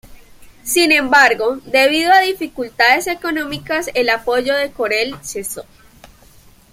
Sin embargo, debido a dificultades económicas, el apoyo de Corel cesó.